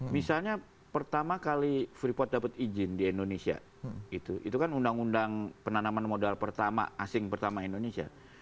misalnya pertama kali freeport dapat izin di indonesia itu kan undang undang penanaman modal pertama asing pertama indonesia